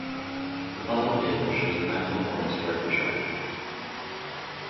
The following table shows the maximum points for every chart.